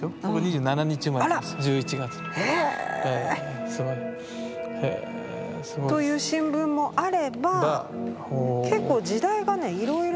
あら。１１月の。へ。という新聞もあれば結構時代がねいろいろ。